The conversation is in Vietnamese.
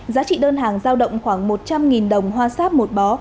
giá trị đơn hàng giao động khoảng một trăm linh đồng hoa sáp một bó